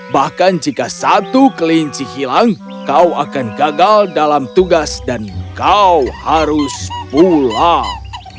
bahkan jika satu kelinci hilang kau akan gagal dalam tugas dan kau harus pulang